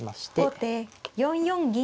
後手４四銀。